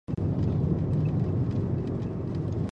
٫ او انسـان پـر بېـلابېـلو نـاروغـيو